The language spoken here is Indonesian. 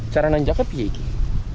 cara menangkapnya begini